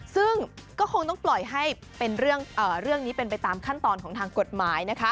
ซึ่งก็คงต้องปล่อยให้เป็นเรื่องนี้เป็นไปตามขั้นตอนของทางกฎหมาย